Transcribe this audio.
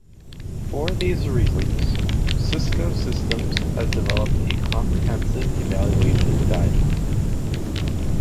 For these reasons Cisco Systems has developed a comprehensive evaluation guideline.